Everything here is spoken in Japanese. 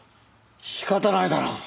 仕方ないだろう。